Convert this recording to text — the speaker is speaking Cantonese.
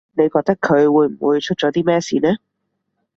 你覺得佢會唔會出咗啲咩事呢